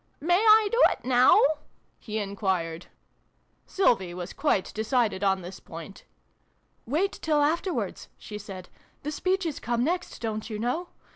" May I do it now ?" he enquired. Sylvie was quite decided on this point. " Wait till afterwards," she said. " The speeches come next, don't you know